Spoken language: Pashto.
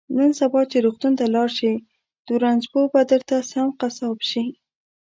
نن سبا چې روغتون ته لاړ شي نو رنځپوه به درته سم قصاب شي